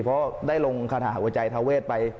เพราะได้ลงคาถาหัวใจทาเวทไป